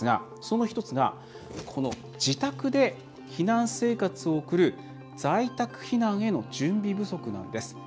その１つが自宅で避難生活を送る在宅避難への準備不足なんです。